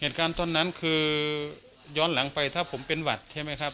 เหตุการณ์ตอนนั้นคือย้อนหลังไปถ้าผมเป็นหวัดใช่ไหมครับ